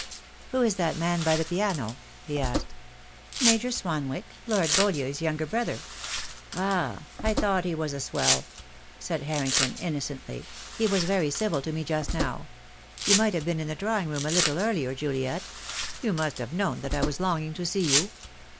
"Who is that man by the piano?" he asked. "Major Swanwick, Lord Beaulieu's younger brother." "Ah, I thought he was a swell," said Harrington, in nocently. "He was very civil to me just now. You might have been in the drawing room a little earlier, Juliet. You must have known that I was longing to see you."